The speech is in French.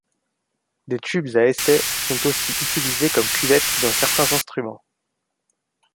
Des tubes à essai sont aussi utilisés comme cuvettes dans certains instruments.